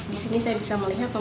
di sini saya bisa melihat